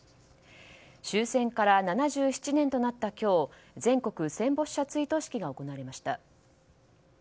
終戦から７７年となった今日全国戦没者追悼式が行われました。